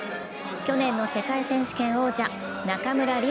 去年の世界選手権王者中村輪